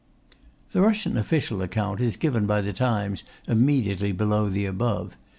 The Russian official account is given by The Times immediately below the above.